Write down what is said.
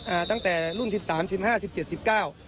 อ่าตั้งแต่รุ่นสิบสามสิบห้าสิบเจ็ดสิบเก้า